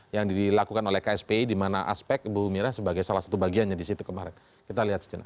yang dilakukan oleh kspi dimana aspek ibu mira sebagai salah satu bagiannya di situ kemarin kita lihat sejenak